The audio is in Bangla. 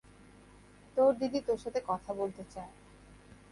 তোর দিদি তোর সাথে কথা বলতে চায়।